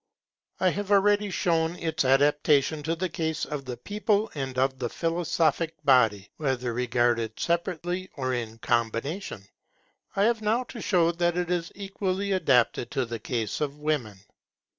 I have already shown its adaptation to the case of the people and of the philosophic body, whether regarded separately or in combination: I have now to show that it is equally adapted to the case of women.